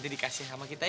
dikasih sama kita ya